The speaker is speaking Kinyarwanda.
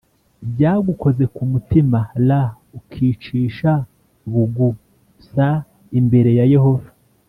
Byagukoze ku mutima r ukicisha bugu s imbere ya yehova